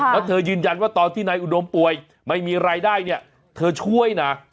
แล้วเธอยืนยันว่าตอนที่นายอุดมป่วยไม่มีรายได้เนี่ยเธอช่วยนะ